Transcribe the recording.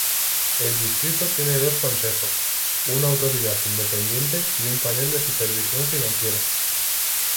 El distrito tiene dos consejos, una autoridad independiente y un panel de Supervisión Financiera.